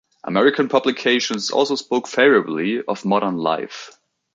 American publications also spoke favourably of "Modern Life".